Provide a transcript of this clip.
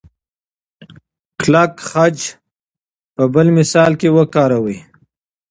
کلک خج دې په بل مثال کې وکاروئ.